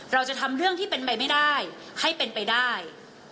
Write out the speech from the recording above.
เราจะทำเรื่องที่เป็นไปไม่ได้ให้เป็นไปได้